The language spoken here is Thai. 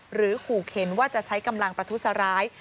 ขู่เข็นว่าจะใช้กำลังประทุษร้าย